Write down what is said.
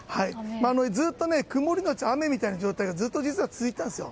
ずっと曇りのち雨みたいな状態が続いていたんですよ。